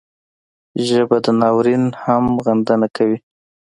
ژبه د ناورین هم غندنه کوي